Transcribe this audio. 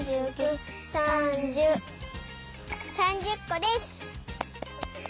３０こです！